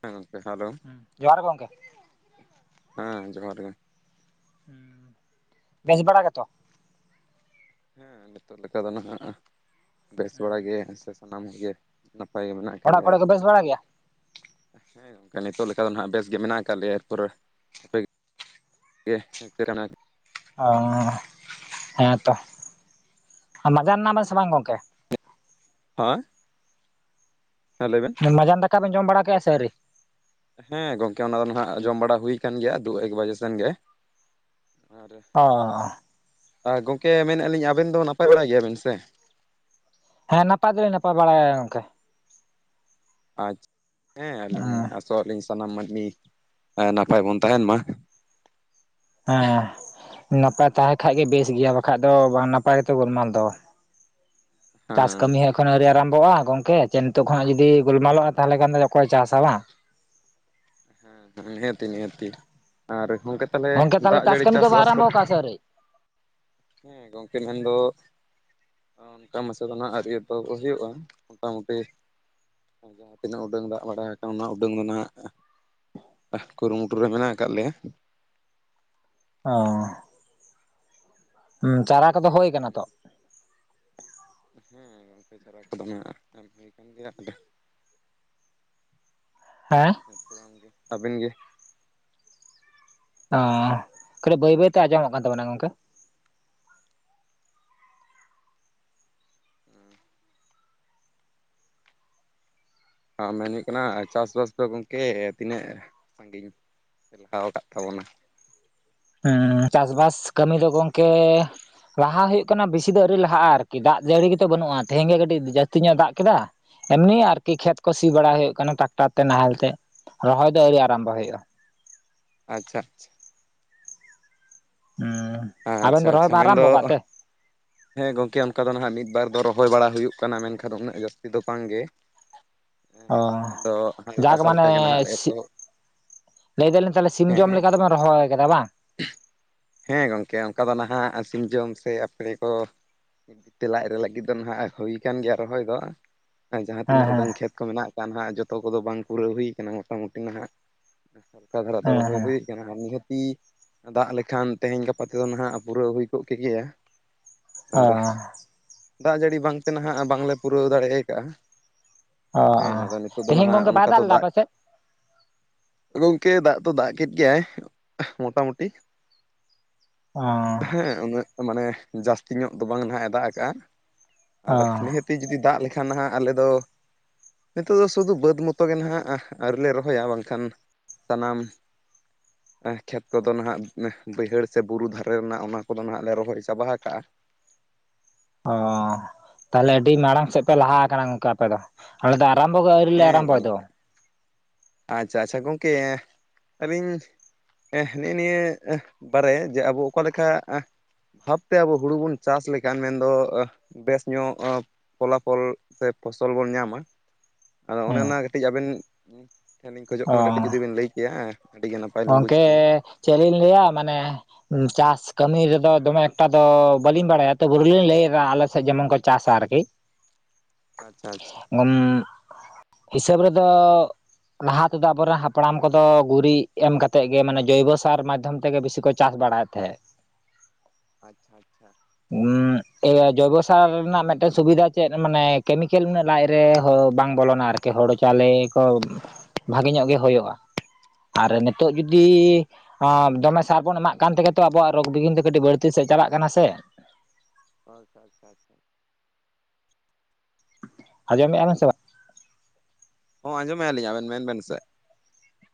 ᱦᱮ ᱜᱚᱝᱠᱮ ᱦᱟᱞᱳ ᱡᱚᱦᱟᱨ ᱜᱮ ᱜᱚᱝᱠᱮ ᱦᱮᱸ ᱡᱚᱸᱦᱟᱨ ᱜᱮ ᱦᱩᱸ, ᱵᱮᱥ ᱵᱟᱲᱟ ᱜᱮᱛᱚ? ᱦᱮᱸ ᱱᱤᱛᱚᱜ ᱞᱮᱠᱟ ᱫᱚ ᱱᱟᱦᱟᱜ ᱵᱮᱥ ᱵᱟᱲᱟ ᱜᱮ ᱥᱮ ᱥᱟᱱᱟᱢ ᱠᱚᱜᱮ, ᱱᱟᱯᱟᱭ ᱜᱮ ᱢᱮᱱᱟᱜ ᱟᱠᱟᱫ ᱚᱲᱟᱜ ᱞᱮᱭᱟ ᱠᱚᱨᱮ ᱠᱚ ᱵᱮᱥ ᱵᱟᱲᱟ ᱜᱮᱭᱟ ᱦᱮᱸ ᱱᱤᱛᱚᱜ ᱞᱮᱠᱟ ᱫᱚ ᱱᱟᱜ ᱵᱮᱥ ᱜᱮ ᱢᱮᱱᱟᱜ ᱟᱠᱟᱫ ᱞᱮᱭᱟ ᱮᱨ ᱯᱚᱨᱮ ᱟᱯᱮ ᱜᱮ, ᱜᱮ ᱥᱤᱨᱟᱱᱟᱜ ᱚ ᱦᱮᱸ ᱛᱚ ᱢᱟᱡᱟᱱ ᱱᱟᱵᱮᱱ ᱥᱮ ᱵᱟᱝ ᱜᱚᱝᱠᱮ? ᱦᱮᱸ ᱦᱮᱸ ᱞᱟᱹᱭ ᱵᱮᱱ, ᱢᱟᱡᱟᱱ ᱫᱟᱠᱟ ᱵᱮᱱ ᱡᱚᱢ ᱵᱟᱲᱟ ᱠᱮᱫᱼᱟ ᱥᱮ ᱟᱣᱨᱤ? ᱦᱮᱸ ᱜᱚᱝᱠᱮ ᱚᱱᱟ ᱫᱚ ᱱᱟᱦᱟᱜ ᱡᱚᱢ ᱵᱟᱲᱟ ᱦᱩᱭ ᱠᱟᱱ ᱜᱮᱭᱟ ᱫᱩ ᱮᱠ ᱵᱟᱡᱮ ᱥᱮᱱ ᱜᱮ ᱟᱨ ᱚᱻ ᱟ ᱜᱚᱝᱠᱮ ᱢᱮᱱᱮᱜᱼᱟ ᱞᱤᱧ ᱟᱵᱮᱱ ᱫᱚ ᱱᱟᱯᱟᱭ ᱵᱟᱲᱟ ᱜᱮᱭᱟ ᱵᱮᱱ ᱥᱮ? ᱦᱮᱸ ᱱᱟᱯᱟᱭ ᱫᱚᱞᱤᱧ ᱱᱟᱯᱟᱭ ᱵᱟᱲᱟ ᱜᱮᱭᱟ ᱜᱚᱝᱠᱮ, ᱟᱪᱪᱷᱟ ᱦᱮᱸ ᱟᱞᱤᱧ ᱟᱥᱚᱜ ᱟᱞᱤᱧ ᱥᱟᱱᱟᱢ ᱢᱟᱱᱢᱤ ᱱᱟᱯᱟᱭ ᱵᱚᱱ ᱛᱟᱦᱮᱱ ᱢᱟ, ᱚ ᱱᱟᱯᱟᱭ ᱛᱟᱦᱮᱸ ᱠᱷᱟᱡᱽ ᱜᱮ ᱵᱮᱥ ᱜᱮᱭᱟ ᱵᱟᱠᱷᱟᱡ ᱫᱚ ᱵᱟᱝ ᱱᱟᱯᱟᱭ ᱜᱮᱛᱚ ᱜᱳᱞᱢᱟᱞ ᱫᱚ, ᱪᱟᱥ ᱦᱮᱸ ᱠᱟᱹᱢᱤ ᱦᱚᱸ ᱮᱠᱷᱚ ᱮᱠᱷᱚᱱᱚ ᱟᱣᱨᱤ ᱟᱨᱟᱢᱵᱷᱚᱜᱼᱟ ᱜᱚᱝᱠᱮ ᱪᱮ ᱱᱤᱛᱚᱜ ᱠᱷᱚᱱᱟᱜ ᱡᱩᱫᱤ ᱜᱳᱞᱢᱟᱞᱚᱜᱼᱟ ᱛᱟᱦᱞᱮ ᱠᱷᱟᱱ ᱫᱚ ᱚᱠᱚᱭ ᱪᱟᱥᱟᱭ ᱵᱟᱝ, ᱦᱮᱸ ᱦᱮᱸ ᱱᱤᱦᱟᱹᱛᱤ ᱱᱤᱦᱟᱹᱛᱤ ᱟᱨ ᱦᱚᱝᱠᱮ ᱛᱟᱞᱦᱮ ᱜᱚᱝᱠᱮ ᱛᱟᱦᱚᱞᱮ ᱫᱟᱜ ᱡᱟᱹᱲᱤ ᱠᱟᱹᱢᱤ ᱪᱟᱥ ᱵᱮᱱ ᱵᱟᱥ ᱠᱚ ᱟᱨᱟᱢᱵᱚ ᱠᱟᱜᱼᱟ ᱥᱮ ᱟᱹᱣᱨᱤ ᱦᱮᱸ ᱜᱚᱝᱠᱮ ᱢᱮᱱᱫᱚ ᱚᱱᱠᱟ ᱢᱟᱥᱮ ᱫᱚ ᱱᱟᱦᱟᱜ ᱟᱹᱨᱤ ᱮᱛᱚᱦᱚᱵ ᱦᱩᱭᱩᱜᱼᱟ ᱢᱚᱴᱟ ᱢᱩᱴᱤ, ᱛᱤᱱᱟᱹᱜ ᱩᱰᱟᱹᱝ ᱫᱟᱜ ᱵᱟᱲᱟ ᱠᱟᱜ-ᱟ ᱚᱱᱟ ᱩᱰᱟᱹᱝ ᱫᱚ ᱱᱟᱜ ᱠᱩᱨᱩᱢᱩᱴᱩ ᱨᱮ ᱢᱮᱱᱟᱜ ᱟᱠᱟᱫ ᱞᱮᱭᱟ, ᱚ ᱦᱚᱸ ᱪᱟᱨᱟ ᱠᱚᱫᱚ ᱦᱳᱭ ᱠᱟᱱᱟ ᱛᱚ, ᱦᱮᱸ ᱜᱚᱢᱠᱮ ᱪᱟᱨᱟ ᱠᱚᱫᱚ ᱱᱟᱦᱟᱜ ᱮᱢ ᱦᱩᱭ ᱠᱟᱱ ᱜᱮᱭᱟ ᱟᱫᱚ [inaudible] [inaudible] ᱦᱮᱸ ᱱᱯᱚᱨ ᱜᱮ [inaudible] ᱟᱵᱮᱱ ᱜᱮ ᱚ ᱠᱟᱹᱴᱤᱡ ᱵᱟᱹᱭ ᱵᱟᱹᱭᱛᱮ ᱟᱸᱡᱚᱢᱚᱜ ᱠᱟᱱ ᱛᱟᱵᱤᱱᱟ ᱜᱚᱝᱠᱮ [unintelligible] ᱢᱮᱱ ᱦᱩᱭᱩᱜ ᱠᱟᱱᱟ, ᱪᱟᱥᱵᱟᱥ ᱫᱚ ᱜᱚᱢᱠᱮ ᱛᱤᱱᱟᱹᱜ ᱥᱟᱺᱜᱤᱧ? ᱞᱟᱦᱟᱣ ᱟᱠᱟᱫ ᱛᱟᱵᱚᱱᱟ ᱦᱮᱸ ᱪᱟᱥᱵᱟᱥ ᱠᱟᱹᱢᱤ ᱫᱚ ᱜᱚᱝᱠᱮ ᱞᱟᱦᱟ ᱦᱩᱭᱩᱜ ᱠᱟᱱᱟ ᱵᱮᱥᱤ ᱫᱚ ᱟᱣᱨᱤ ᱞᱟᱦᱟᱜᱼᱟ ᱟᱨᱠᱤ ᱫᱟᱜ ᱡᱟᱹᱲᱤ ᱜᱮᱛᱚ ᱵᱟᱹᱱᱩᱜᱼᱟ ᱛᱮᱦᱮᱧ ᱜᱮ ᱠᱟᱹᱴᱤᱡ ᱡᱟᱹᱥᱛᱤ ᱧᱚᱜ ᱫᱟᱜ ᱠᱮᱫᱟ ᱮᱢᱱᱤ ᱟᱨᱠᱤ ᱠᱷᱮᱛ ᱠᱚ ᱥᱤ ᱵᱟᱲᱟ ᱦᱳᱭᱳᱜ ᱠᱟᱱᱟ ᱴᱨᱟᱠᱴᱟᱨ ᱛᱮ ᱱᱟᱦᱮᱞ ᱛᱮ ᱨᱚᱦᱚᱭ ᱫᱚ ᱟᱣᱨᱤ ᱟᱨᱟᱢᱵᱚ ᱦᱳᱭᱳᱼᱟ ᱟᱪᱪᱷᱟ, ᱟᱪᱪᱷᱟ [inaudible] ᱟᱵᱮᱱ ᱟᱪᱪᱷᱟ ᱫᱚ ᱨᱚᱦᱚᱭ ᱟᱪᱪᱷᱟ ᱵᱮᱱ ᱢᱮᱱᱫᱚ ᱟᱨᱟᱢᱵᱚ ᱟᱠᱟᱫ ᱛᱮ ᱦᱮᱸ ᱜᱚᱢᱠᱮ ᱚᱱᱠᱟ ᱫᱚ ᱱᱟᱜ ᱢᱤᱫ ᱵᱟᱨ ᱫᱚ ᱨᱚᱦᱚᱭ ᱵᱟᱲᱟ ᱦᱩᱭᱩᱜ ᱠᱟᱱᱟ ᱢᱮᱱᱠᱷᱟᱱ ᱩᱱᱟᱹᱜ ᱡᱟᱹᱥᱛᱤ ᱫᱚ ᱵᱟᱝ ᱜᱮ [unintelligible] ᱚ ᱡᱟᱠ ᱢᱟᱱᱮ ᱱᱟᱦᱟᱜ ᱞᱮ ᱥᱤ ᱮᱛᱚᱦᱚᱵ ᱞᱟᱹᱭ ᱫᱟᱞᱤᱧ ᱛᱟᱦᱚᱞ ᱥᱤᱢ ᱦᱮᱸ ᱡᱚᱢ ᱦᱮᱸ ᱞᱮᱠᱟ ᱫᱚᱵᱮᱱ ᱨᱚᱦᱚᱭ ᱟᱠᱟᱫᱟ ᱵᱟᱝ ᱦᱮᱸ ᱜᱚᱝᱠᱮ ᱚᱱᱠᱟ ᱫᱚ ᱱᱟᱦᱟᱜ ᱥᱤᱢ ᱡᱚᱢ ᱥᱮ ᱟᱯᱲᱮ ᱛᱚ ᱢᱤᱫ ᱵᱤᱛᱟᱹ ᱞᱟᱡ [inaudible] ᱨᱮ ᱞᱟᱹᱜᱤᱫ ᱫᱚ ᱱᱟᱦᱟᱜ ᱦᱩᱭ ᱟᱠᱟᱱ ᱜᱮᱭᱟ ᱨᱚᱦᱚᱭ ᱫᱚ ᱟᱨ ᱡᱟᱦᱟᱸ ᱦᱮᱸ ᱛᱤᱱᱟᱹᱜ ᱦᱮᱸ ᱩᱰᱟᱹᱝ ᱠᱷᱮᱛ ᱠᱚ ᱢᱮᱱᱟᱜ ᱠᱟᱜ ᱱᱟᱜ ᱡᱚᱛᱚ ᱠᱚᱫᱚ ᱵᱟᱝ ᱯᱩᱨᱟᱹᱣ ᱦᱩᱭ ᱠᱟᱱᱟ ᱢᱳᱴᱟᱢᱩᱴᱤ ᱱᱟᱜ ᱠᱟ [inaudible] ᱫᱷᱟᱨᱟ ᱦᱮᱸ ᱨᱚᱦᱚᱭ ᱦᱮᱸ ᱦᱩᱭ ᱟᱨ ᱱᱤᱦᱟᱹᱛᱤ ᱫᱟᱜ ᱞᱮᱠᱷᱟᱱ ᱛᱮᱦᱮᱧ ᱜᱟᱯᱟ ᱛᱮᱫᱚ ᱱᱟᱦᱟᱜ ᱯᱩᱨᱟᱹᱣ ᱦᱩᱭ ᱠᱚᱜ ᱠᱮ ᱜᱮᱭᱟ ᱚ ᱟᱨ ᱫᱟᱜ ᱡᱟᱹᱲᱤ ᱵᱟᱝᱛᱮ ᱱᱟᱦᱟᱜ ᱵᱟᱝᱞᱮ ᱯᱩᱨᱟᱹᱣ ᱫᱟᱲᱮᱭ ᱠᱟᱜᱼᱟ ᱚ ᱦᱮᱸ ᱚ ᱟᱫᱚ ᱱᱤᱛᱚᱜ ᱫᱚ ᱛᱮᱦᱮᱧ ᱱᱟᱦᱟᱜ ᱜᱚᱝᱠᱮ ᱵᱟᱭ ᱚᱱᱠᱟ ᱫᱚ ᱞᱮᱫᱟ ᱫᱟᱜ ᱟᱯᱮ ᱥᱮᱫ ᱜᱚᱝᱠᱮ ᱫᱟᱜ ᱫᱚ ᱫᱟᱜ ᱠᱮᱫ ᱜᱮᱭᱟᱭ ᱢᱚᱴᱟ ᱢᱩᱴᱤ ᱚ ᱦᱮᱸ ᱩᱱᱟᱹᱜ ᱢᱟᱱᱮ ᱡᱟᱹᱥᱛᱤ ᱧᱚᱜ ᱫᱚ ᱵᱟᱝ ᱱᱟᱦᱟᱜ ᱮ ᱫᱟᱜ ᱠᱟᱜᱼᱟ ᱟᱨ ᱚ ᱱᱤᱦᱟᱹᱛᱤ ᱡᱩᱫᱤ ᱫᱟᱜ ᱞᱮᱠᱷᱟᱱ ᱦᱟᱸᱜ ᱟᱞᱮ ᱫᱚ ᱱᱤᱛᱚᱜ ᱫᱚ ᱥᱩᱫᱷᱩ ᱵᱟᱹᱫᱽ ᱢᱚᱛᱚ ᱜᱮ ᱱᱟᱦᱟᱜ ᱟᱹᱣᱨᱤ ᱞᱮ ᱨᱚᱦᱚᱭᱟ ᱵᱟᱝ ᱠᱷᱟᱱ ᱥᱟᱱᱟᱢ ᱠᱷᱮᱛ ᱠᱚᱫᱚ ᱱᱟᱦᱟᱜ ᱵᱟᱹᱭᱦᱟᱹᱲ ᱥᱮ ᱵᱩᱨᱩ ᱫᱷᱟᱨᱮ ᱨᱮᱱᱟᱜ ᱚᱱᱟ ᱠᱚᱫᱚ ᱱᱟᱦᱟᱜ ᱞᱮ ᱨᱚᱦᱚᱭ ᱪᱟᱵᱟ ᱦᱟ [inaudible] ᱠᱟᱜ-ᱟ ᱚᱻ ᱛᱟᱦᱚᱞᱮ ᱟᱹᱰᱤ ᱢᱟᱲᱟᱝ ᱥᱮᱫ ᱯᱮ ᱞᱟᱦᱟ ᱟᱠᱟᱱᱟ ᱜᱚᱝᱠᱮ ᱟᱯᱮ ᱫᱚ᱾ ᱟᱞᱮ ᱫᱚ ᱟᱨᱟᱢᱵᱚ ᱜᱮ ᱟᱹᱣᱨᱤ ᱞᱮ ᱦᱮᱸ ᱟᱨᱟᱢᱵᱚᱭ ᱜᱚᱝ ᱫᱚ ᱟᱪᱪᱷᱟ ᱟᱪᱪᱷᱟ ᱜᱚᱝᱠᱮ ᱟᱹᱞᱤᱧ ᱱᱮᱜᱼᱮ ᱱᱤᱭᱟᱹ ᱵᱟᱨᱮ ᱡᱮ ᱟᱵᱚ ᱚᱠᱟ ᱞᱮᱠᱟ ᱵᱷᱟᱵ ᱛᱮ ᱟᱵᱚ ᱦᱩᱲᱩ ᱵᱚᱱ ᱪᱟᱥ ᱞᱮᱠᱷᱟᱱ ᱢᱮᱱᱫᱚ ᱵᱮᱥ ᱧᱚᱜ ᱯᱷᱚᱞᱟ ᱯᱷᱚᱞ ᱥᱮ ᱯᱷᱚᱥᱚᱞ ᱵᱚᱱ ᱧᱟᱢᱟ ᱟᱫᱚ ᱚᱱᱮ ᱦᱮᱸ ᱚᱱᱟ ᱠᱟᱹᱴᱤᱡ, ᱟᱵᱮᱱ ᱴᱷᱮᱱ ᱤᱧ ᱠᱷᱚᱡᱚᱜ ᱚ ᱠᱟᱱᱟ᱾ᱠᱟᱹᱴᱤᱡ ᱡᱩᱫᱤ ᱵᱮᱱ ᱞᱟᱹᱭ ᱠᱮᱭᱟ᱾ ᱟᱹᱰᱤᱜᱮ ᱱᱟᱯᱟᱭ ᱞᱤᱧ ᱵᱩᱡᱽ ᱜᱚᱝᱠᱮ ᱠᱮᱭᱟ ᱪᱮᱫ ᱞᱤᱧ ᱞᱟᱹᱭᱟ ᱢᱟᱱᱮ ᱪᱟᱥ ᱠᱟᱹᱢᱤ ᱨᱮᱫᱚ ᱫᱚᱢᱮ ᱮᱠᱴᱟ ᱫᱚ ᱵᱟᱹᱞᱤᱧ ᱵᱟᱲᱟᱭᱟ ᱛᱚᱵᱩ ᱞᱤᱧ ᱞᱟᱹᱭᱫᱟ ᱟᱞᱮ ᱥᱮᱫ ᱡᱮᱢᱚᱱ ᱠᱚ ᱪᱟᱥᱟ ᱟᱨᱠᱤ ᱟᱪᱷᱟ ᱟᱪᱷᱟ ᱦᱤᱥᱟᱹᱵᱽ ᱨᱮᱫᱚ ᱞᱟᱦᱟ ᱛᱮᱫᱚ ᱟᱵᱚᱨᱮ ᱦᱟᱯᱲᱟᱢ ᱠᱚᱫᱚ ᱜᱩᱨᱤᱜ ᱮᱢ ᱠᱟᱛᱮᱜ ᱜᱮ ᱢᱟᱱᱮ ᱡᱚᱭᱵᱚ ᱥᱟᱨ ᱢᱟᱫᱽᱫᱷᱚᱢ ᱛᱮᱜᱮ ᱵᱤᱥᱤ ᱠᱚ ᱪᱟᱥ ᱵᱟᱲᱟᱭᱮᱫ ᱛᱟᱦᱮᱸᱜ [inaudible] ᱤᱭᱟᱹ ᱡᱚᱭᱵᱚᱥᱟᱨ ᱨᱮᱱᱟᱜ ᱢᱤᱫᱴᱮᱱ ᱥᱩᱵᱤᱫᱟ ᱪᱮᱫ ᱢᱟᱱᱮ ᱠᱮᱢᱤᱠᱮᱞ ᱤᱱᱟ. ᱜ ᱞᱟᱡ ᱨᱮ ᱵᱟᱝ ᱵᱚᱞᱚᱱᱟ ᱟᱨᱠᱤ ᱦᱳᱲᱳ ᱪᱟᱣᱞᱮ ᱠᱚ ᱵᱷᱟᱜᱮ ᱧᱚᱜ ᱜᱮ ᱦᱩᱭᱩᱜᱼᱟ ᱟᱨ ᱱᱤᱛᱚᱜ ᱡᱩᱫᱤ ᱫᱚᱢᱮ ᱥᱟᱨ ᱵᱚᱱ ᱮᱢᱟᱜ ᱠᱟᱱ ᱛᱮᱜᱮ ᱛᱚ ᱟᱵᱚᱣᱟᱜ ᱨᱳᱜ ᱵᱤᱜᱷᱤᱱ ᱫᱚ ᱠᱟᱹᱴᱤᱡ ᱵᱟᱹᱲᱛᱤ ᱥᱮᱫ ᱪᱟᱞᱟᱜ ᱠᱟᱱᱟ ᱥᱮ ᱟᱪᱷᱟ ᱟᱪᱷᱟ ᱟᱪᱷᱟ [inaudible] ᱟᱡᱚᱢᱮᱫᱼᱟ ᱵᱮᱱ ᱥᱮ ᱵᱟᱝ ᱦᱚ ᱟᱸᱡᱚᱢ ᱢᱮᱜ-ᱟ ᱞᱤᱧ ᱟᱵᱮᱱ ᱢᱮᱱ ᱵᱮᱱ ᱥᱮ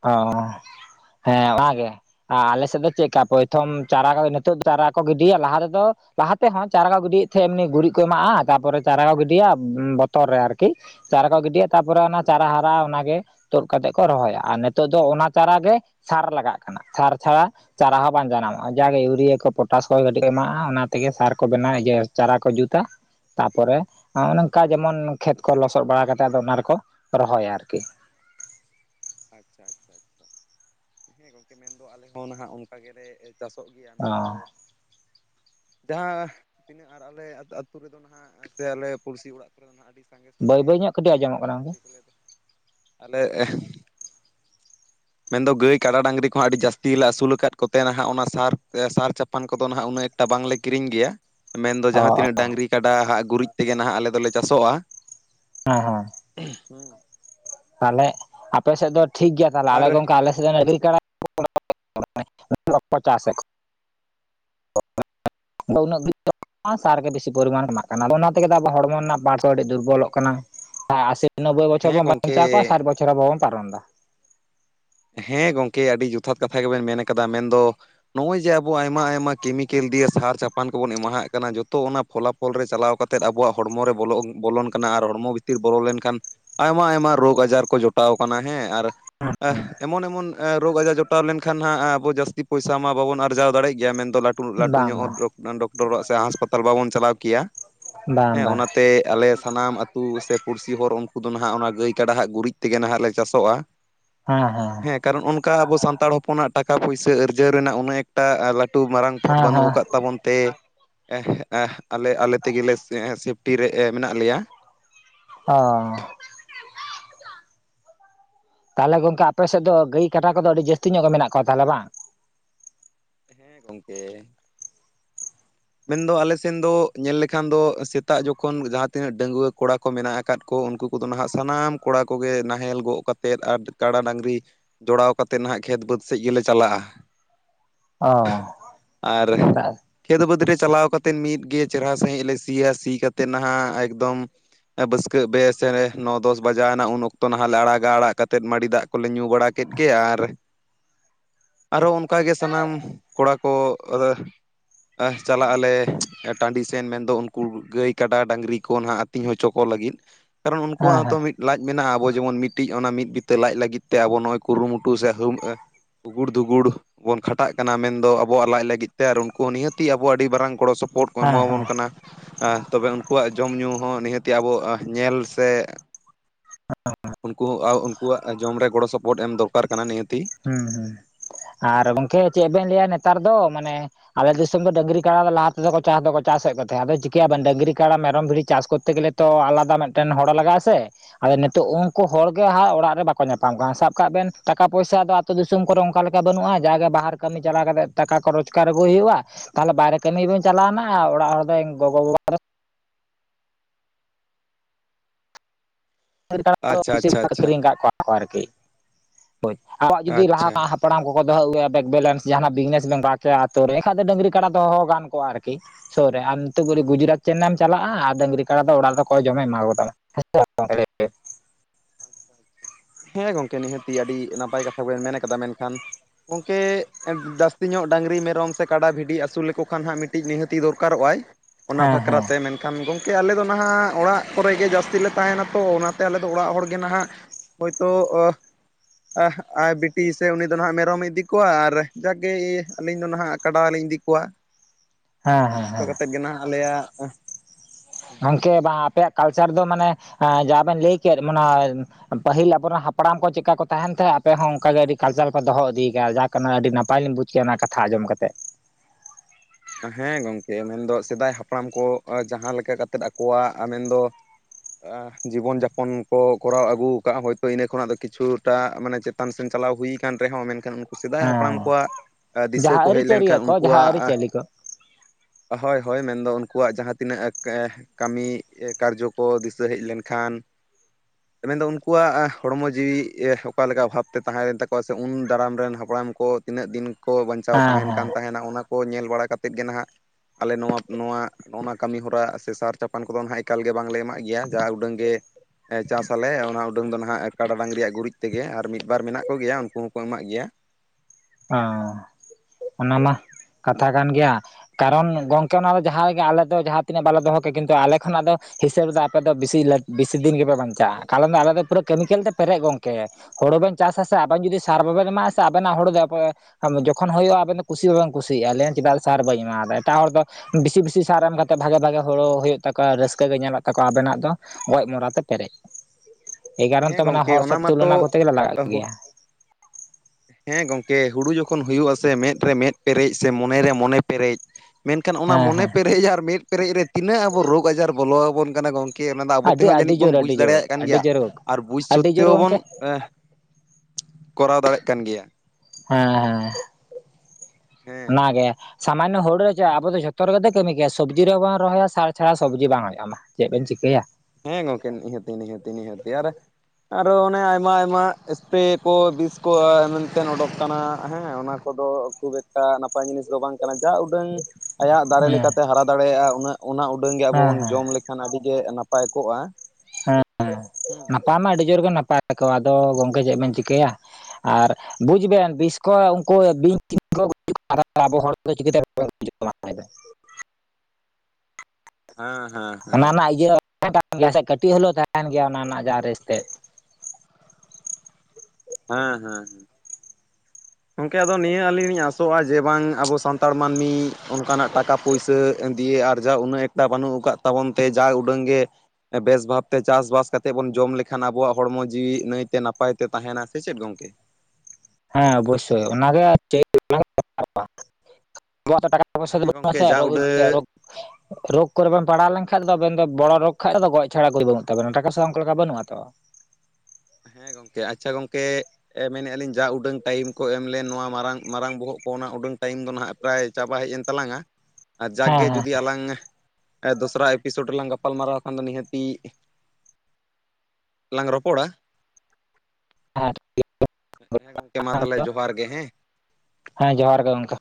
ᱚ ᱦᱮᱸ ᱚᱱᱟᱜ ᱜᱮ ᱟᱨ ᱟᱞᱮᱥᱮᱫ ᱫᱚ ᱪᱮᱫᱠᱟ ᱯᱨᱚᱛᱷᱚᱢ ᱪᱟᱨᱟ ᱱᱤᱛᱚᱜ ᱪᱟᱨᱟ ᱠᱚ ᱜᱤᱰᱤᱭᱟ ᱞᱟᱦᱟ ᱨᱮᱫᱚ ᱞᱟᱦᱟ ᱛᱮᱦᱚᱸ ᱪᱟᱨᱟ ᱜᱤᱰᱤᱭᱮᱫ ᱛᱟᱦᱮᱸᱫ ᱮᱢᱱᱤ ᱜᱩᱨᱤᱡ ᱠᱚ ᱮᱢᱟᱜᱼᱟ ᱛᱟᱯᱚᱨᱮ ᱪᱟᱨᱟ ᱜᱤᱰᱤᱭᱟ ᱵᱚᱛᱚᱨ ᱨᱮ ᱟᱨᱠᱤ ᱪᱟᱨᱟ ᱠᱚ ᱜᱤᱰᱤᱭᱟ ᱛᱟᱯᱚᱨᱮ ᱚᱱᱟ ᱪᱟᱨᱟ ᱦᱟᱨᱟᱜ-ᱟ ᱚᱱᱟᱜᱮ ᱛᱩᱫ ᱠᱟᱛᱮ ᱠᱚ ᱨᱚᱦᱚᱭᱟ ᱟᱨ ᱱᱮᱼᱼ ᱱᱤᱛᱚᱜ ᱫᱚ ᱚᱱᱟ ᱪᱟᱨᱟ ᱜᱮ ᱥᱟᱨ ᱞᱟᱜᱟᱜ ᱠᱟᱱᱟ᱾ᱥᱟᱨ ᱪᱷᱟᱲᱟ ᱪᱟᱨᱟ ᱦᱚᱸ ᱵᱟᱝ ᱡᱟᱱᱟᱢᱚᱜᱼᱟ ᱡᱟᱜᱮ ᱤᱭᱩᱨᱤᱭᱟ ᱠᱚ ᱯᱚᱴᱟᱥ ᱠᱚ ᱠᱟᱹᱴᱤᱡ ᱠᱚ ᱮᱢᱟᱜᱼᱟ ᱚᱱᱟ ᱛᱮᱜᱮ ᱥᱟᱨ ᱠᱚ ᱵᱮᱱᱟᱣ ᱤᱭᱟᱹ ᱪᱟᱨᱟ ᱠᱚ ᱡᱩᱛᱟ ᱛᱟᱯᱚᱨᱮ ᱱᱚᱜᱼᱚ ᱱᱚᱝᱠᱟ ᱡᱮᱢᱚᱱ ᱠᱷᱮᱛ ᱠᱚ ᱞᱚᱥᱚᱫ ᱵᱟᱲᱟ ᱠᱟᱛᱮᱫ ᱚᱱᱟ ᱨᱮᱠᱚ ᱨᱚᱦᱚᱭᱟ ᱟᱨᱠᱤ ᱟᱪᱪᱷᱟ ᱟᱪᱪᱷᱟ ᱟᱪᱷᱟ ᱦᱮᱸ ᱜᱚᱝᱠᱮ ᱢᱮᱱᱫᱚ ᱟᱞᱮ ᱦᱚᱸ ᱱᱟᱦᱟᱜ ᱚᱱᱠᱟ ᱜᱮ ᱞᱮ ᱪᱟᱥᱚᱜ ᱜᱮᱭᱟ ᱢᱮᱱᱫᱚ ᱚ ᱡᱟᱦᱟᱸ ᱛᱤᱱᱟᱹᱜ ᱟᱨ ᱟᱞᱮ ᱟᱹᱛᱩᱳ ᱨᱮᱫᱚ ᱱᱟᱦᱟᱜ ᱥᱮ ᱟᱞᱮ ᱯᱩᱲᱥᱤ ᱚᱲᱟᱜ ᱫᱚᱱᱟᱜ ᱟᱹᱰᱤ ᱥᱟᱸᱜᱮ ᱵᱟᱹᱭ ᱥᱟᱸᱜᱮ ᱵᱟᱹᱭ ᱧᱚᱜ ᱠᱟᱹᱴᱤᱡ ᱜᱟᱹᱭ ᱟᱸᱡᱚᱢᱚᱜ ᱠᱟᱰᱟ ᱠᱟᱱᱟ ᱜᱚᱝᱠᱮ ᱰᱟᱝᱨᱤ ᱠᱚᱞᱮ ᱟᱞᱮ ᱢᱮᱱᱫᱚ ᱜᱟᱹᱭ ᱠᱟᱰᱟ ᱰᱟᱝᱨᱤ ᱠᱚᱦᱚᱸ ᱟᱹᱰᱤ ᱡᱟᱹᱥᱛᱤ ᱞᱮ ᱟᱹᱥᱩᱞ ᱟᱠᱟᱫ ᱠᱚᱛᱮ ᱱᱟᱦᱟᱜ ᱚᱱᱟ ᱥᱟᱨ ᱥᱟᱨ ᱪᱟᱯᱟ ᱯᱟᱱ ᱠᱚᱫᱚ ᱱᱟᱦᱟᱜ ᱩᱱᱟᱹᱜ ᱮᱴᱟ ᱵᱟᱝᱞᱮ ᱠᱤᱨᱤᱧ ᱜᱮᱭᱟ ᱢᱮᱱᱫᱚ ᱚ ᱡᱟᱦᱟᱸ ᱛᱤᱱᱟᱹᱜ ᱰᱟᱹᱟᱝᱜᱨᱤ ᱠᱟᱰᱟ ᱜᱩᱨᱤᱡ ᱛᱮᱜᱮ ᱱᱟᱦᱟᱜ ᱟᱞᱮ ᱫᱚᱞᱮ ᱪᱟᱥᱚᱜᱼᱟ ᱦᱚᱸ ᱦᱚᱸ [unintelligible] ᱛᱟᱦᱚᱞᱮ ᱟᱯᱮ ᱥᱮᱫ ᱫᱚ ᱴᱷᱤᱠ ᱜᱮᱭᱟ ᱛᱟᱦᱚᱞᱮ ᱟᱞᱮ ᱟᱨ ᱫᱚ ᱚᱱᱠᱟ ᱟᱞᱮ ᱥᱮᱫ ᱫᱚ ᱜᱟ. ᱭ ᱠᱟᱰᱟ [inaudible] ᱟᱫᱚ ᱩᱱᱟᱹᱜ [unintelligible] ᱥᱟᱨ ᱜᱮ ᱵᱮᱥᱤ ᱯᱚᱨᱤᱢᱟᱱ ᱮᱢᱟᱜ ᱠᱟᱱᱟ ᱟᱫᱚ ᱚᱱᱟ ᱛᱮᱜᱮ ᱦᱚᱲᱢᱚ ᱨᱮᱱᱟᱜ ᱯᱟᱨᱴ ᱦᱚᱸ ᱟᱹᱰᱤ ᱫᱩᱨᱵᱚᱞᱚᱜ ᱠᱟᱱᱟ [inaudible] ᱱᱳᱵᱳᱭ ᱵᱚᱪᱷᱚᱨ ᱦᱮᱸ ᱵᱚᱱ ᱜᱚᱝᱠᱮ ᱵᱟᱧᱪᱟᱣ ᱠᱚᱜᱼᱟ ᱥᱟᱴ ᱵᱚᱪᱷᱚᱨ ᱵᱟᱼᱵᱚᱱ ᱯᱟᱨᱚᱢ ᱮᱫᱟ ᱦᱮᱸ ᱜᱚᱢᱠᱮ ᱟᱹᱰᱤ ᱡᱚᱛᱷᱟᱛ ᱠᱟᱛᱷᱟ ᱜᱮᱵᱮᱱ ᱢᱮᱱ ᱠᱟᱫᱟ ᱢᱮᱱᱫᱚ ᱱᱚᱜ ᱚᱭ ᱡᱮ ᱟᱵᱚ ᱟᱭᱢᱟ ᱟᱭᱢᱟ ᱠᱮᱢᱤᱠᱮᱞ ᱫᱤᱭᱮ ᱥᱟᱨ ᱪᱟᱯᱟᱱ ᱠᱚᱵᱚᱱ ᱮᱢᱟᱦᱟᱜ ᱠᱟᱱᱟ ᱡᱚᱛᱚ ᱚᱱᱟ ᱯᱷᱚᱞᱟᱯᱼᱼ ᱯᱷᱚᱞ ᱨᱮ ᱪᱟᱞᱟᱣ ᱠᱟᱛᱮᱫ ᱟᱵᱚᱣᱟᱜ ᱦᱚᱲᱢᱚ ᱨᱮ ᱵᱚᱞᱚ ᱵᱚᱞᱚᱱ ᱠᱟᱱᱟ ᱟᱨ ᱦᱚᱲᱢᱚ ᱵᱷᱤᱛᱤᱨ ᱵᱚᱞᱚ ᱞᱮᱱᱠᱷᱟᱱ ᱟᱭᱢᱟ ᱟᱭᱢᱟ ᱨᱚᱜᱽ ᱟᱡᱟᱨ ᱠᱚ ᱡᱚᱴᱟᱣ ᱟᱠᱟᱱᱟ ᱦᱮᱸ ᱟᱨ ᱮᱢᱚᱱ ᱮᱢᱚᱱ ᱨᱳᱜᱽ ᱟᱡᱟᱨ ᱡᱚᱴᱟᱣ ᱞᱮᱱᱠᱷᱟᱱ ᱦᱟᱸᱜ ᱟᱵᱚ ᱡᱟᱹᱥᱛᱤ ᱯᱚᱭᱥᱟ ᱢᱟ ᱵᱟᱵᱚᱱ ᱟᱨᱡᱟᱣ ᱫᱟᱲᱮᱭᱟᱜ ᱜᱮᱭᱟ ᱢᱮᱱᱫᱚ ᱞᱟᱹᱴᱩ ᱞᱟᱹᱴᱩ ᱵᱟᱝ ᱧᱚᱜ ᱵᱟᱝ ᱦᱚᱸ ᱰᱚᱠᱴᱚᱨ ᱚᱲᱟᱜ ᱥᱮ ᱦᱟᱸᱥᱯᱟᱛᱟᱞ ᱵᱟᱵᱚᱱ ᱪᱟᱞᱟᱣ ᱠᱮᱭᱟ ᱵᱟᱝ ᱦᱮᱸ ᱵᱟᱝ ᱚᱱᱟ ᱛᱮ ᱟᱞᱮ ᱥᱟᱱᱟᱢ ᱟ. ᱛᱩ ᱥᱮ ᱯᱩᱲᱥᱤ ᱦᱚᱲ ᱩᱱᱠᱩ ᱫᱚ ᱱᱟᱦᱟᱜ ᱚᱱᱟ ᱜᱟᱹᱭ ᱠᱟᱰᱟ ᱦᱟᱜ ᱜᱩᱨᱤᱡ ᱛᱮᱜᱮ ᱱᱟᱦᱟᱜ ᱞᱮ ᱪᱟᱥᱚᱜᱼᱟ ᱦᱮᱸ ᱦᱮᱸ ᱠᱟᱨᱚᱱ ᱚᱱᱠᱟ ᱟᱵᱚ ᱥᱟᱱᱛᱟᱲ ᱦᱚᱯᱚᱱᱟᱜ ᱴᱟᱠᱟ ᱯᱩᱭᱥᱟᱹ ᱟᱹᱨᱡᱟᱹᱣ ᱨᱮᱱᱟᱜ ᱩᱱᱟᱹᱜ ᱮᱴᱟᱜ ᱞᱟᱹᱴᱩ ᱢᱟᱨᱟᱝ ᱯᱚᱫᱽ ᱦᱮᱸ ᱵᱟᱹᱱᱩᱜ ᱦᱮᱸ ᱟᱠᱟᱫ ᱛᱟᱵᱚᱱ ᱛᱮ ᱮᱦ ᱮᱦ ᱟᱞᱮ ᱟᱞᱮ ᱛᱮᱜᱮ ᱞᱮ ᱥᱮᱯᱴᱤ ᱨᱮ ᱢᱮᱱᱟᱜ ᱞᱮᱭᱟ ᱚᱻ ᱛᱟᱦᱚᱞᱮ ᱜᱚᱢᱠᱮ ᱟᱯᱮ ᱥᱮᱫ ᱫᱚ ᱜᱟᱹᱭ ᱠᱟᱰᱟ ᱠᱚᱫᱚ ᱟᱹᱰᱤ ᱡᱟᱹᱥᱛᱤ ᱧᱚᱜ ᱜᱮ ᱢᱮᱱᱟᱜ ᱠᱚᱣᱟ ᱛᱟᱦᱚᱞᱮ ᱵᱟᱝ ᱦᱮᱸ ᱜᱚᱝᱠᱮ ᱢᱮᱱᱫᱚ ᱟᱞᱮ ᱥᱮᱱ ᱫᱚ ᱧᱮᱞ ᱞᱮᱠᱷᱟᱱ ᱫᱚ ᱥᱮᱛᱟᱜ ᱡᱚᱠᱷᱚᱱ ᱡᱟᱦᱟᱸ ᱛᱤᱱᱟᱹᱜ ᱰᱟᱺᱜᱩᱣᱟᱹ ᱠᱚᱲᱟ ᱠᱚ ᱢᱮᱱᱟᱜ ᱟᱠᱟᱫ ᱠᱚ ᱩᱱᱠᱩ ᱠᱚᱫᱚ ᱱᱟᱦᱟᱜ ᱥᱟᱱᱟᱢ ᱠᱚᱲᱟ ᱠᱚᱜᱮ ᱱᱟᱦᱮᱞ ᱜᱚᱜ ᱠᱟᱛᱮᱫ ᱟᱨ ᱠᱟᱰᱟ ᱰᱟᱝᱨᱤ ᱡᱚᱲᱟᱣ ᱠᱟᱛᱮᱫ ᱱᱟᱦᱟᱜ ᱠᱷᱮᱛ ᱵᱟᱹᱫᱽ ᱥᱮᱫ ᱜᱮᱞᱮ ᱪᱟᱞᱟᱜᱼᱟ ᱚ ᱟᱨ ᱦᱮᱸ ᱠᱷᱮᱛ ᱵᱟᱹᱫᱽ ᱨᱮ ᱪᱟᱞᱟᱣ ᱠᱟᱛᱮᱫ ᱢᱤᱫ ᱜᱮ ᱪᱮᱨᱦᱟ ᱥᱟᱺᱦᱤᱡ ᱞᱮ ᱥᱤᱭᱟ ᱥᱤ ᱠᱟᱛᱮᱫ ᱱᱟᱦᱟᱜ ᱮᱠᱫᱚᱢ ᱵᱟᱹᱥᱠᱟᱹᱜ ᱵᱮ ᱥᱮ ᱨᱮ ᱱᱚ ᱫᱚᱥ ᱵᱟᱡᱟᱣ ᱮᱱᱟ ᱩᱱ ᱚᱠᱛᱚ ᱱᱟᱦᱞᱮ ᱟᱲᱟᱜᱟ ᱟᱲᱟᱜ ᱠᱟᱛᱮᱫ ᱢᱟᱹᱰᱤ ᱫᱟᱜ ᱠᱚᱞᱮ ᱧᱩ ᱵᱟᱲᱟ ᱠᱮᱫ ᱜᱮ ᱟᱨ ᱟᱨᱚ ᱚᱱᱠᱟ ᱜᱮ ᱥᱟᱱᱟᱢ ᱠᱚᱲᱟᱼᱼ [inaudible] ᱪᱟᱞᱟᱜ ᱟᱞᱮ ᱴᱟᱺᱰᱤ ᱥᱮᱱ ᱢᱮᱱᱫᱚ ᱩᱱᱠᱩ ᱜᱟᱹᱭ ᱠᱟᱰᱟ ᱰᱟᱝᱨᱤ ᱠᱚ ᱱᱟᱦ ᱟᱹᱛᱤᱧ ᱦᱚᱪᱚ ᱠᱚ ᱞᱟᱹᱜᱤᱫ ᱠᱟᱨᱚᱱ ᱦᱮᱸ ᱩᱱᱠᱩᱣᱟ ᱦᱚᱸᱛᱚ ᱢᱤᱫ ᱞᱟᱡ ᱢᱮᱱᱟᱜᱼᱟ ᱟᱵᱚ ᱡᱮᱢᱚᱱ ᱢᱤᱫᱴᱤᱡ ᱚᱱᱟ ᱢᱤᱫ ᱵᱤᱛᱟᱹ ᱞᱟᱡ ᱞᱟᱹᱜᱤᱫ ᱛᱮ ᱟᱵᱚ ᱱᱚᱜᱼᱚᱭ ᱠᱩᱨᱩᱢᱩᱴᱩ ᱥᱮ ᱦᱩᱢᱼᱼ ᱫᱩᱜᱩᱲ ᱫᱷᱩᱜᱩᱲ ᱵᱚᱱ ᱠᱷᱟᱴᱟᱜ ᱠᱟᱱᱟ ᱢᱮᱱ ᱫᱚ ᱟᱵᱚᱣᱟᱜ ᱞᱟᱡ ᱞᱟᱹᱜᱤᱫ ᱛᱮ ᱟᱨ ᱩᱱᱠᱩ ᱱᱤᱦᱟᱹ ᱛᱤᱼᱼ ᱟᱵᱚ ᱟᱹᱰᱤ ᱢᱟᱨᱟᱝ ᱜᱚᱲᱚ ᱥᱚᱯᱚᱦᱚᱫ ᱠᱚ ᱦᱮᱸ ᱮᱢᱟᱵᱚᱱ ᱦᱮᱸ ᱠᱟᱱᱟ ᱦᱮᱸ ᱛᱚᱵᱮ ᱩᱱᱠᱩᱣᱟᱜ ᱡᱚᱢ ᱧᱩ ᱦᱚᱸ ᱱᱤᱦᱟᱹᱛᱤ ᱟᱵᱚ ᱧᱮᱞ ᱥᱮ [inaudible] ᱩᱱᱠᱩ ᱟᱣ ᱩᱱᱠᱩᱣᱟᱜ ᱡᱚᱢ ᱨᱮ ᱜᱚᱲᱚ ᱥᱚᱯᱚᱦᱚᱫ ᱮᱢ ᱫᱚᱨᱠᱟᱨ ᱠᱟᱱᱟ ᱱᱤᱦᱟᱹᱛᱤ ᱦᱩᱸ ᱦᱩᱸ ᱟᱨ ᱜᱚᱝᱠᱮ ᱪᱮᱫ ᱵᱮᱱ ᱞᱟᱹᱭᱟ ᱱᱮᱛᱟᱨ ᱫᱚ ᱢᱟᱱᱮ ᱟᱞᱮ ᱫᱤᱥᱚᱢ ᱫᱚ ᱰᱟᱹᱝᱨᱤ ᱠᱟᱰᱟ ᱫᱚ ᱞᱟᱦᱟ ᱛᱮᱫᱚ ᱠᱚ ᱪᱟᱥ ᱫᱚᱠᱚ ᱪᱟᱥᱮᱫ ᱠᱚ ᱛᱟᱦᱮᱸ ᱟᱫᱚ ᱪᱤᱠᱟᱹᱭᱟ ᱵᱮᱱ ᱰᱟᱝᱨᱤ ᱠᱟᱰᱟ ᱢᱮᱨᱚᱢ ᱵᱷᱤᱰᱤ ᱪᱟᱥ ᱠᱚᱨᱛᱮ ᱜᱮᱞᱮ ᱛᱚ ᱟᱞᱟᱫᱟ ᱢᱤᱫᱴᱮᱱ ᱦᱚᱲ ᱞᱟᱜᱟᱜ-ᱟ ᱥᱮ ᱟᱭᱟ ᱱᱤᱛᱚᱜ ᱩᱝᱠᱩ ᱦᱚᱲᱜᱮ ᱦᱟᱸᱜ ᱚᱲᱟᱜ ᱨᱮ ᱵᱟᱠᱚ ᱧᱟᱯᱟᱢ ᱠᱟᱱᱟ ᱥᱟᱵ ᱠᱟᱜ ᱵᱮᱱ ᱴᱟᱠᱟ ᱯᱚᱭᱥᱟ ᱫᱚ ᱟᱹᱛᱩ ᱫᱤᱥᱚᱢ ᱠᱚᱨᱮ ᱚᱱᱠᱟ ᱞᱮᱠᱟ ᱵᱟᱹᱱᱩᱜᱼᱟ ᱡᱟᱜᱮ ᱵᱟᱦᱟᱨ ᱠᱟᱹᱢᱤ ᱪᱟᱞᱟᱣ ᱠᱟᱛᱮ ᱴᱟᱠᱟ ᱠᱚ ᱨᱚᱡᱽᱠᱟᱨ ᱟᱹᱜᱩᱭ ᱦᱩᱭᱩᱜᱼᱟ ᱛᱟᱦᱞᱮ ᱵᱟᱭᱨᱮ ᱠᱟᱹᱢᱤ ᱵᱮᱱ ᱪᱟᱞᱟᱣᱱᱟ ᱚᱲᱟᱜ ᱦᱚᱲ ᱫᱚᱧ ᱜᱚᱜᱚ ᱵᱟᱵᱟ ᱟᱪᱪᱷᱟ ᱟᱪᱪᱷᱟ [inaudible] ᱟᱪᱪᱷᱟ ᱟᱹᱠᱷᱨᱤᱧ ᱟᱠᱟᱫ ᱠᱚᱣᱟ ᱠᱚ ᱟᱨᱠᱤ ᱦᱳᱭ ᱟᱵᱚᱣᱟᱜ ᱡᱩᱫᱤ ᱟᱪᱪᱷᱟ ᱞᱟᱦᱟ [inaudible] ᱯᱲᱟᱢ ᱠᱚᱠᱚ ᱫᱚᱦᱚ ᱟᱹᱜᱩᱭᱟ ᱵᱮᱠ ᱵᱮᱞᱮᱱᱥ ᱡᱟᱦᱟᱱᱟᱜ ᱵᱤᱡᱽᱱᱮᱥ ᱵᱮᱱ ᱵᱟᱠᱮᱭᱟ ᱟᱛᱳ ᱨᱮ ᱮᱠᱷᱟᱡ ᱫᱚ ᱰᱟᱹᱝᱨᱤ ᱠᱟᱰᱟ ᱫᱚᱦᱚ ᱜᱟᱱ ᱠᱚᱜᱼᱟ ᱟᱨᱠᱤ᱾ ᱥᱚᱨᱮ ᱟᱢ ᱱᱤᱛᱚᱜ ᱜᱩᱡᱨᱟᱴ ᱪᱮᱱᱱᱟᱭ ᱮᱢ ᱪᱟᱞᱟᱜᱼᱟ ᱟᱨ ᱰᱟᱝᱨᱤ ᱠᱟᱰᱟ ᱫᱚ ᱚᱲᱟᱜ ᱨᱮ ᱠᱚᱭ ᱡᱚᱢᱮ ᱮᱢᱟᱣᱟ ᱠᱚᱛᱟᱢᱟ? [unintelligible] [inaudible] ᱦᱮᱸ ᱜᱚᱢᱠᱮ ᱱᱤᱦᱟᱹᱛᱤ ᱟᱹᱰᱤ ᱱᱟᱯᱟᱭ ᱠᱟᱛᱷᱟ ᱵᱮᱱ ᱢᱮᱱ ᱠᱟᱫᱟ ᱢᱮᱱᱠᱷᱟᱱ ᱜᱚᱝᱠᱮ ᱡᱟᱹᱥᱛᱤ ᱧᱚᱜ ᱰᱟᱹᱝᱨᱤ ᱢᱮᱨᱚᱢ ᱥᱮ ᱠᱟᱰᱟ ᱵᱷᱤᱰᱤ ᱟᱹᱥᱩᱞ ᱞᱮᱠᱚ ᱠᱷᱟᱱ ᱦᱟᱸᱜ ᱢᱤᱫᱴᱤᱡ ᱱᱤᱦᱟᱹᱛᱤ ᱫᱚᱨᱠᱟᱨᱚᱜᱼᱟᱭ᱾ ᱚᱱᱟ ᱦᱮᱸ ᱵᱟᱠᱷᱨᱟᱛᱮ ᱢᱮᱱ ᱠᱷᱟᱱ ᱜᱚᱢᱠᱮ ᱟᱞᱮ ᱫᱚ ᱱᱟᱦᱟᱜ ᱚᱲᱟᱜ ᱠᱚᱨᱮᱜᱮ ᱡᱟᱹᱥᱛᱤ ᱞᱮ ᱛᱟᱦᱮᱱᱟ ᱛᱚ ᱚᱱᱟᱛᱮ ᱟᱞᱮᱫᱚ ᱚᱲᱟᱜ ᱦᱚᱲᱜᱮ ᱱᱟᱦᱟᱜ ᱦᱳᱭᱛᱳ ᱚ [unintelligible] ᱵᱤᱴᱤ ᱥᱮ ᱩᱱᱤ ᱫᱚ ᱱᱟᱦᱟᱜ ᱢᱮᱨᱚᱢᱮ ᱤᱫᱤ ᱠᱚᱣᱟ ᱟᱨ ᱡᱟᱜᱮ ᱟᱹᱞᱤᱧ ᱫᱚ ᱱᱟᱦᱟᱜ ᱠᱟᱰᱟ ᱩᱚᱸᱞᱤᱧ ᱤᱫᱤ ᱠᱚᱣᱟ ᱦᱮᱸ ᱚᱱᱮ ᱚᱝᱠᱟ ᱠᱟᱛᱮᱫ ᱜᱮ ᱱᱟᱦᱟᱜ ᱟᱞᱮᱭᱟᱜ ᱜᱚᱝᱠᱮ ᱵᱟᱝ ᱟᱯᱮᱭᱟᱜ ᱠᱟᱞᱪᱟᱨ ᱫᱚ ᱢᱟᱱᱮ ᱮᱸ ᱡᱟᱦᱟᱸ ᱵᱮᱱ ᱞᱟᱹᱭ ᱠᱮᱫ ᱚᱱᱟ ᱯᱟᱹᱦᱤᱞ ᱟᱵᱚᱨᱮᱱ ᱦᱟᱯᱲᱟᱢ ᱠᱚ ᱪᱮᱫᱮᱠᱟ ᱠᱚ ᱛᱟᱦᱮᱱ ᱛᱟᱦᱮᱸᱫ ᱟᱯᱮ ᱦᱚᱸ ᱚᱱᱠᱟ ᱜᱮ ᱟᱹᱰᱤ ᱠᱟᱞᱪᱟᱨ ᱯᱮ ᱫᱚᱦᱚ ᱤᱫᱤ ᱟᱠᱟᱫ-ᱟ ᱡᱟᱠ ᱠᱟᱱᱟ ᱟᱹᱰᱤ ᱱᱟᱯᱟᱭ ᱞᱤᱧ ᱵᱩᱡᱽ ᱠᱮᱜᱼᱟ ᱚᱱᱟ ᱠᱟᱛᱷᱟ ᱟᱸᱡᱚᱢ ᱠᱟᱛᱮᱜ᱾ ᱦᱮᱸ ᱜᱚᱢᱠᱮ ᱢᱮᱱᱫᱚ ᱥᱮᱫᱟᱭ ᱦᱟᱯᱲᱟᱢ ᱠᱚ ᱡᱟᱦᱟᱸ ᱞᱮᱠᱟ ᱠᱟᱛᱮᱫ ᱟᱠᱚᱣᱟᱜ ᱢᱮᱱᱫᱚ ᱟ ᱡᱤᱵᱚᱱ ᱡᱟᱯᱚᱱ ᱠᱚ ᱠᱚᱨᱟᱣ ᱟᱹᱜᱩ ᱠᱟᱜᱼᱟ ᱦᱳᱭᱛᱳ ᱤᱱᱟᱹ ᱠᱷᱚᱱᱟᱜ ᱫᱚ ᱠᱤᱪᱷᱩ ᱴᱟᱜ ᱢᱟᱱᱮ ᱪᱮᱫ ᱛᱟᱱ ᱥᱮᱱ ᱪᱟᱞᱟᱣ ᱦᱩᱭ ᱟᱠᱟᱱ ᱨᱮᱦᱚᱸ ᱢᱮᱱᱠᱷᱟᱱ ᱩᱱ ᱥᱮᱫᱟᱭ ᱦᱟᱯᱲᱟᱢ ᱦᱮᱸ ᱠᱚᱣᱟᱜ ᱫᱤᱥᱟᱹ ᱡᱟᱦᱟᱸ ᱠᱚ ᱦᱮᱡ ᱟᱹᱨᱤᱪᱟᱹᱞᱤᱭᱟᱹ ᱞᱮᱱᱠᱷᱟᱱ ᱠᱚ ᱡᱟᱦᱟᱸ ᱩᱱᱠᱩᱣᱟᱜ ᱟ ᱟᱹᱨᱤᱪᱟᱹᱞᱤ ᱠᱚ ᱦᱳᱭ ᱦᱳᱭ ᱢᱮᱱᱫᱚ ᱩᱱᱠᱩᱣᱟᱜ ᱡᱟᱦᱟᱸ ᱛᱤᱱᱟᱹᱜ [unintelligible] ᱠᱟᱹᱢᱤ ᱠᱟᱨᱡᱚ ᱠᱚ ᱫᱤᱥᱟᱹ ᱦᱮᱡ ᱞᱮᱱᱠᱷᱟᱱ ᱢᱮᱱᱫᱚ ᱩᱱᱠᱩᱣᱟᱜ ᱦᱚᱲᱢᱚ ᱡᱤᱣᱤ ᱮ ᱚᱠᱟᱞᱮᱠᱟ ᱵᱷᱟᱵᱛᱮ ᱛᱟᱦᱮᱸᱣᱮᱱ ᱛᱟᱠᱚᱣᱟ ᱥᱮ ᱩᱱ ᱫᱟᱨᱟᱢ ᱨᱮᱱ ᱦᱟᱯᱲᱟᱢ ᱠᱚ ᱛᱤᱱᱟᱹᱜ ᱫᱤᱱ ᱠᱚ ᱵᱟᱧᱪᱟᱣ ᱦᱮᱸ ᱛᱟᱦᱮᱱ ᱦᱮᱸ ᱠᱟᱱ ᱛᱟᱦᱮᱱᱟ ᱚᱱᱟ ᱠᱚ ᱧᱮᱞ ᱵᱟᱲᱟ ᱠᱟᱛᱮᱫ ᱜᱮ ᱱᱟᱦᱟᱜ ᱟᱞᱮ ᱱᱚᱣᱟ ᱱᱚᱣᱟ ᱱᱚᱜᱼᱱᱟ ᱠᱟᱹᱢᱤᱦᱚᱨᱟ ᱥᱮ ᱥᱟᱨ ᱪᱟᱯᱟᱱ ᱠᱚᱫᱚ ᱦᱟᱜ ᱮᱠᱟᱞᱜᱮ ᱵᱟᱝᱞᱮ ᱮᱢᱟᱜ ᱜᱮᱭᱟ ᱡᱟ ᱩᱰᱟᱹᱝ ᱜᱮ ᱦᱮᱸ ᱪᱟᱥ ᱟᱞᱮ ᱚᱱᱟ ᱩᱰᱟᱹᱝ ᱫᱚ ᱱᱟᱦᱟᱜ ᱠᱟᱰᱟ ᱰᱟᱝᱤᱭᱟᱜ ᱜᱩᱨᱤᱡ ᱛᱮᱜᱮ ᱟᱨ ᱢᱤᱫ ᱵᱟᱨ ᱢᱮᱱᱟᱜ ᱠᱚᱜᱮᱭᱟ ᱩᱱᱠᱩ ᱦᱚᱸᱠᱚ ᱮᱢᱟᱜ ᱜᱮᱭᱟ ᱚ ᱚᱱᱟ ᱢᱟ ᱠᱟᱛᱷᱟ ᱠᱟᱱ ᱜᱮᱭᱟ ᱠᱟᱨᱚᱱ ᱜᱚᱝᱠᱮ ᱚᱱᱟ ᱫᱚ ᱡᱟᱦᱟᱸ ᱨᱮᱜᱮ ᱟᱞᱮ ᱫᱚ ᱡᱟᱦᱟᱸᱛᱤᱱᱟᱹᱜ ᱵᱟᱞᱮ ᱫᱚᱦᱚ ᱠᱮᱭᱟ ᱠᱤᱱᱛᱩ ᱟᱞᱮ ᱠᱷᱚᱱᱟᱜ ᱫᱚ ᱦᱤᱥᱟᱹᱵ ᱫᱚ ᱟᱯᱮ ᱫᱚ ᱵᱤᱥᱤ ᱵᱮᱥᱤ ᱫᱤᱱ ᱜᱮᱯᱮ ᱵᱟᱧᱪᱟᱜᱼᱟ ᱠᱟᱨᱚᱱ ᱫᱚ ᱟᱞᱮ ᱫᱚ ᱯᱩᱨᱟᱹ ᱠᱮᱢᱤᱠᱮᱞ ᱛᱮ ᱯᱮᱨᱮᱡ ᱜᱚᱝᱠᱮ᱾ ᱦᱳᱲᱳ ᱵᱮᱱ ᱪᱟᱥᱟ ᱥᱮ ᱟᱵᱮᱱ ᱡᱩᱫᱤ ᱥᱟᱨ ᱵᱟᱵᱮᱱ ᱮᱢᱟᱜᱼᱟ ᱥᱮ ᱟᱵᱮᱱᱟᱜ ᱦᱳᱲᱳ ᱫᱚ ᱯᱮ ᱟᱢᱫᱚ ᱡᱚᱠᱷᱚᱱ ᱦᱩᱭᱩᱜᱼᱟ ᱟᱵᱮᱱ ᱫᱚ ᱠᱩᱥᱤ ᱦᱚ ᱵᱟᱵᱮᱱ ᱠᱩᱥᱤᱭᱟᱜᱼᱟ ᱞᱟᱹᱭᱟᱢ ᱪᱮᱫᱟᱜ ᱪᱚ ᱥᱟᱨ ᱵᱟᱹᱧ ᱮᱢᱟᱣᱟᱫᱟ ᱮᱴᱟᱜ ᱦᱚᱲ ᱫᱚ ᱵᱮᱥᱤ ᱵᱮᱥᱤ ᱥᱟᱨ ᱮᱢ ᱠᱟᱛᱮ ᱵᱷᱟᱜᱮ ᱵᱷᱟᱜᱮ ᱦᱳᱲᱳ ᱦᱳᱭᱳᱜ ᱛᱟᱠᱚᱣᱟ ᱨᱟᱹᱥᱠᱟᱹ ᱜᱮ ᱧᱮᱞᱚᱜ ᱛᱟᱠᱚᱣᱟ ᱟᱵᱮᱱᱟᱜ ᱫᱚ ᱜᱚᱡ ᱢᱚᱨᱟ ᱛᱮ ᱯᱮᱨᱮᱡ ᱮᱭ ᱠᱟᱨᱚᱱ ᱦᱮᱸ ᱛᱮ ᱢᱟᱱᱮ ᱜᱚᱢᱠᱮ ᱦᱚᱲ ᱚᱱᱟ ᱥᱟᱶ ᱢᱟᱛᱚ ᱛᱩᱞᱚᱱᱟ ᱠᱚᱛᱮ ᱜᱮᱞᱮ ᱞᱟᱜᱟᱜ [inaudible] ᱜᱮᱭᱟ ᱦᱮᱸ ᱜᱚᱝᱠᱮ ᱦᱩᱲᱩ ᱡᱚᱠᱷᱚᱱ ᱦᱩᱭᱩᱜᱼᱟᱥᱮ ᱢᱮᱫ ᱨᱮ ᱢᱮᱫ ᱯᱮᱨᱮᱡ ᱥᱮ ᱢᱚᱱᱮ ᱨᱮ ᱢᱚᱱᱮ ᱯᱮᱨᱮᱡ ᱢᱮᱱᱠᱷᱟᱱ ᱚᱱᱟ ᱦᱮᱸ ᱢᱚᱱᱮ ᱦᱮᱸ ᱯᱮᱨᱮᱡ ᱟᱨ ᱢᱮᱫ ᱯᱮᱨᱮᱡ ᱨᱮ ᱛᱤᱱᱟᱹᱜ ᱟᱵᱚ ᱨᱳᱜᱽ ᱟᱡᱟᱨ ᱵᱚᱞᱚᱣᱟᱵᱚᱱ ᱠᱟᱱᱟ ᱜᱚᱝ - ᱠᱮ ᱚᱱᱟ ᱫᱚ ᱟᱵᱚ ᱟᱹᱰᱤ ᱛᱮᱦᱚᱸ ᱡᱟᱹᱱᱤᱡ ᱟᱹᱰᱤ ᱵᱚᱱ ᱡᱳᱨ ᱵᱩᱡᱽ ᱟᱹᱰᱤ ᱡᱳᱨ ᱫᱟᱲᱮᱭᱟᱜ ᱠᱟᱱ ᱟᱹᱰᱤ ᱜᱮᱭᱟ ᱡᱳᱨ ᱟᱨ ᱵᱩᱡᱽ ᱟᱹᱰᱤ ᱥᱚᱛᱛᱮ ᱡᱳᱨ ᱦᱚᱸ ᱜᱚᱝᱠᱮ ᱵᱚᱱ ᱠᱚᱨᱟᱣ ᱫᱟᱲᱮᱜ ᱠᱟᱱ ᱜᱮᱭᱟ ᱦᱮᱸ ᱦᱮᱸ ᱦᱮᱸ ᱚᱱᱟᱜᱮ ᱥᱟᱢᱟᱱᱱᱚ ᱦᱚᱲᱳ ᱨᱮ ᱪᱮᱫ ᱟᱵᱚᱫᱚ ᱡᱷᱚᱛᱚ ᱨᱮᱜᱮ ᱛᱚ ᱠᱟᱹᱢᱤᱠᱮᱞ ᱥᱚᱵᱽᱡᱤ ᱨᱮᱵᱚᱱ ᱨᱚᱦᱚᱭᱟ ᱥᱟᱨ ᱪᱷᱟᱲᱟ ᱥᱚᱵᱽᱡᱤ ᱵᱟᱝ ᱦᱳᱭᱳᱜ-ᱟ ᱪᱮᱫ ᱵᱮᱱ ᱪᱤᱠᱟᱹᱭᱟ ᱦᱮᱸ ᱜᱚᱝᱠᱮ ᱱᱤᱦᱟᱹᱛᱤ ᱱᱤᱦᱟᱹᱛᱤ ᱱᱤᱦᱟᱹᱛᱤ [unintelligible] ᱟᱨᱚ ᱚᱱᱮ ᱟᱭᱢᱟ ᱟᱭᱢᱟ ᱮᱯᱨᱮ ᱠᱚ ᱵᱤᱥ ᱠᱚ ᱢᱮᱱᱛᱮ ᱩᱰᱳᱠ ᱠᱟᱱᱟ ᱦᱮᱸ ᱚᱱᱟ ᱠᱚᱫᱚ ᱠᱷᱩᱵ ᱮᱠᱴᱟ ᱱᱟᱯᱟᱭ ᱡᱤᱱᱤᱥ ᱫᱚ ᱵᱟᱝ ᱠᱟᱱᱟ ᱡᱟ ᱩᱰᱟᱹᱝ- ᱟᱭᱟᱜ ᱫᱟᱨᱮ ᱦᱮᱸ ᱞᱮᱠᱟᱛᱮ ᱦᱟᱨᱟ ᱫᱟᱲᱮᱭᱟᱜᱼᱟ ᱩᱱᱟᱹᱜ ᱚᱱᱟ ᱩᱰᱟᱹᱝ ᱜᱮ ᱟᱵᱚ ᱦᱮᱸ ᱵᱚᱱ ᱦᱮᱸ ᱡᱚᱢ ᱞᱮᱠᱷᱟᱱ ᱟᱹᱰᱤᱜ ᱮᱱᱟᱯ ᱱᱟᱯᱟᱭ ᱠᱚᱜᱼᱟ ᱦᱮᱸ ᱦᱮᱸ ᱱᱟᱯᱟᱭ ᱢᱟ ᱟᱹᱰᱤ ᱡᱳᱨᱜᱮ ᱱᱟᱯᱟᱭ ᱠᱚ᱾ ᱟᱫᱚ ᱜᱚᱝᱠᱮ ᱪᱮᱫ ᱵᱮᱱ ᱪᱤᱠᱟᱹᱭᱟ ᱟᱨ᱾ ᱵᱩᱡ ᱵᱮᱱ, ᱵᱤᱥᱠᱚ ᱩᱱᱠᱩ ᱵᱤᱧ [inaudible] ᱟᱵᱚ ᱦᱚᱲ ᱪᱤᱠᱟᱹᱛᱮ [inaudible] ᱦᱮᱸ ᱦᱮᱸ, ᱚᱱᱟ ᱦᱮᱸ ᱨᱮᱱᱟᱜ ᱤᱭᱟᱹ [unintelligible] ᱛᱟᱦᱮᱱ ᱜᱮᱭᱟ ᱥᱮ᱾ ᱠᱟᱹᱴᱤᱡ ᱨᱮᱦᱟ ᱛᱟᱦᱮᱱ ᱜᱮᱭᱟ ᱚᱱᱟ ᱨᱮᱱᱟᱜ ᱡᱟᱦᱟᱸ ᱨᱮᱥ ᱛᱮ᱾ ᱦᱮᱸ ᱦᱮᱸ ᱦᱮᱸ, ᱜᱚᱢᱠᱮ ᱟᱫᱚ ᱱᱤᱭᱟᱹ ᱟᱹᱞᱤᱧ ᱞᱤᱧ ᱟᱥᱚᱜᱼᱟ ᱡᱮ, ᱵᱟᱝ ᱟᱵᱚ ᱥᱟᱱᱛᱟᱲ ᱢᱟᱹᱱᱢᱤ ᱚᱱᱠᱟᱱᱟᱜ ᱴᱟᱠᱟ ᱯᱩᱭᱥᱟᱹ ᱫᱤᱭᱮ ᱟᱨᱡᱟᱣ ᱩᱱᱟᱹᱜ ᱮᱠᱴᱟ ᱵᱟᱹᱱᱩᱜ ᱟᱠᱟᱫ ᱛᱟᱵᱚᱱ ᱛᱮ ᱡᱟ ᱩᱰᱟᱹᱝ ᱜᱮ ᱵᱮᱥ ᱵᱷᱟᱵᱛᱮ ᱪᱟᱥ ᱵᱟᱥ ᱠᱟᱛᱮ ᱵᱚᱱ ᱡᱚᱢ ᱞᱮᱠᱷᱟᱱ ᱟᱵᱚᱣᱟᱜ ᱦᱚᱲᱢᱚ ᱡᱤᱣᱤ ᱱᱟᱹᱭᱛᱮ ᱱᱟᱯᱟᱭ ᱛᱮ ᱛᱟᱦᱮᱱᱟ᱾ ᱥᱮ ᱪᱮᱫ ᱜᱚᱝᱠᱮ? ᱦᱮᱸ ᱚᱵᱚᱥᱳᱭ ᱚᱱᱟᱜᱮ ᱦᱮᱸ ᱜᱚᱝᱠᱮ ᱡᱟ ᱩᱰᱟᱹᱜ [unintelligible] [unintelligible] ᱨᱳᱜᱽ ᱠᱚᱨᱮ ᱵᱤᱱ ᱯᱟᱲᱟᱣ ᱞᱮᱱᱠᱷᱟᱡ ᱫᱚ ᱟᱵᱮᱱ ᱫᱚ ᱵᱚᱲᱚ ᱨᱳᱜᱽ ᱠᱷᱟᱡ ᱫᱚ ᱜᱚᱡ ᱪᱷᱟᱲᱟ ᱩᱯᱟᱹᱭ ᱵᱟᱹᱱᱩᱜ ᱛᱟᱵᱮᱱᱟ᱾ ᱴᱟᱠᱟ ᱯᱩᱭᱥᱟ ᱚᱱᱠᱟ ᱞᱮᱠᱟ ᱵᱟᱹᱱᱩᱜ-ᱟ ᱛᱚ᱾ ᱦᱮᱸ ᱜᱚᱝᱠᱮ, ᱟᱪᱪᱷᱟ ᱜᱚᱝᱠᱮ᱾ ᱢᱮᱱᱮᱫᱼᱟ ᱞᱤᱧ ᱡᱟ ᱩᱰᱟᱹᱝ ᱴᱟᱭᱤᱢ ᱠᱚ ᱮᱢ ᱞᱮᱱ, ᱱᱚᱣᱟ ᱢᱟᱨᱟᱝ ᱢᱟᱨᱟᱝ ᱵᱚᱦᱚᱜ ᱠᱚ ᱚᱱᱟ ᱩᱰᱟᱹᱝ ᱴᱟᱭᱤᱢ ᱫᱚ ᱱᱟᱦᱟᱜ ᱯᱨᱟᱭ ᱪᱟᱵᱟ ᱦᱮᱡ ᱮᱱ ᱛᱟᱞᱟᱝᱟ᱾ ᱟᱨ ᱦᱮᱸ ᱡᱟᱠᱜᱮ ᱦᱮᱸ ᱡᱩᱫᱤ ᱟᱞᱟᱝ ᱫᱚᱥᱨᱟ ᱮᱯᱤᱥᱳᱰ ᱨᱮᱞᱟᱝ ᱜᱟᱯᱟᱞ ᱢᱟᱨᱟᱨᱟᱣ ᱠᱷᱟᱱ ᱫᱚ ᱱᱤᱦᱟᱹᱛᱤ ᱞᱟᱝ ᱨᱚᱯᱚᱲᱟ᱾ ᱜᱚᱝᱠᱮ ᱢᱟ ᱦᱮᱸ ᱛᱟᱦᱚᱞᱮ ᱡᱚᱦᱟᱨ ᱜᱮ ᱦᱮᱸ [inaudible] ᱦᱮᱸ ᱡᱚᱦᱟᱨ ᱜᱮ ᱜᱚᱢᱠᱮ᱾